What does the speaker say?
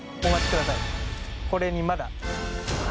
これにまだ。